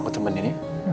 aku temen ini